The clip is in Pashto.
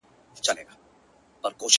نه نجلۍ یې له فقیره سوای غوښتلای!.